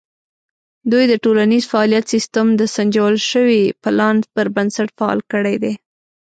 دوی د ټولنیز فعالیت سیستم د سنجول شوي پلان پر بنسټ فعال کړی دی.